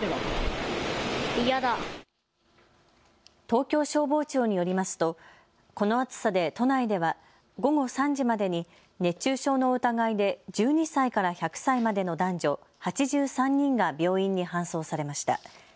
東京消防庁によりますとこの暑さで都内では午後３時までに熱中症の疑いで１２歳から１００歳までの男女８３人が病院に搬送されました。